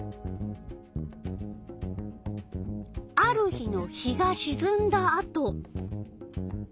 ある日の日がしずんだあと。